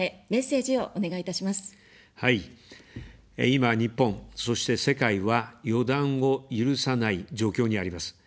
今、日本、そして世界は、予断を許さない状況にあります。